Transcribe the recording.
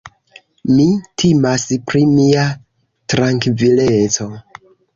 Mi timas pri mia trankvileco!